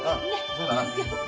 そうだな。